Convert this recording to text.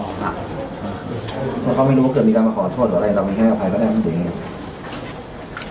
เพราะเขาไม่รู้ว่าเกิดมีการมาขอโทษหรืออะไรเราไม่ให้อภัยก็ได้มันเป็นอย่างนี้